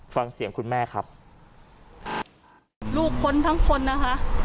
ฟังเสียงคุณแม่ครับลูกพ้นทั้งคนนะคะ